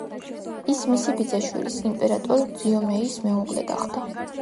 ის მისი ბიძაშვილის, იმპერატორ ძიომეის მეუღლე გახდა.